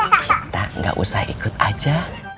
kita gak usah ikut aja